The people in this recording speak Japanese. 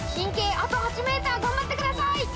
あと８ｍ頑張ってください！